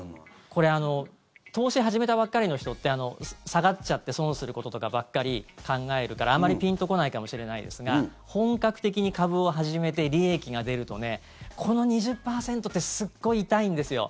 これね投資始めたばっかりの人って下がっちゃって損することとかばかり考えるからあんまりピンとこないかもしれないですが本格的に株を始めて利益が出るとこの２０％ってすっごい痛いんですよ